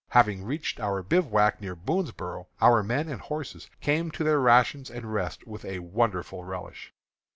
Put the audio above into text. Having reached our bivouac near Boonsboro', our men and horses came to their rations and rest with a wonderful relish.